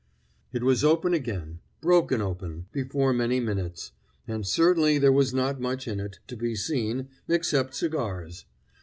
It was open again broken open before many minutes; and certainly there was not much in it, to be seen, except cigars.